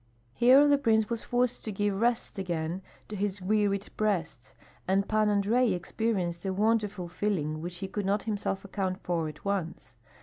Here the prince was forced to give rest again to his wearied breast, and Pan Andrei experienced a wonderful feeling which he could not himself account for at once.